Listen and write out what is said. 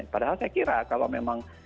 padahal saya kira kalau memang